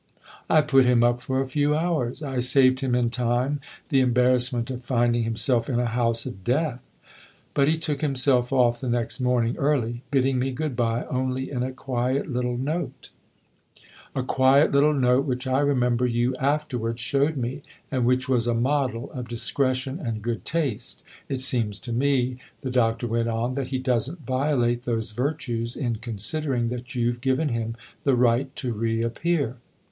" I put him up for a few hours I saved him, in time, the embarrassment of finding himself in a house of death. But he took himself off. the next morning early bidding me good bye only in a quiet little note." THE OTHER HOUSE 107 " A quiet little note which I remember you after wards showed me and which was a model of discretion and good taste. It seems to me," the Doctor went on, " that he doesn't violate those virtues in considering that you've given him the right to reappear."